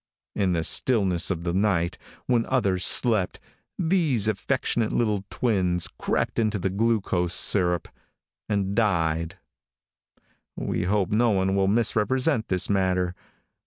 In the stillness of the night, when others slept, these affectionate little twins crept into the glucose syrup and died. We hope no one will misrepresent this matter.